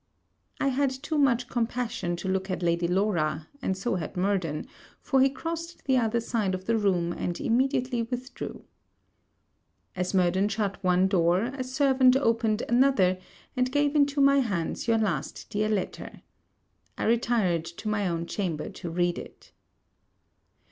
I had too much compassion to look at Lady Laura; and so had Murden, for he crossed the other side of the room, and immediately withdrew. As Murden shut one door, a servant opened another, and gave into my hands your last dear letter. I retired to my own chamber to read it.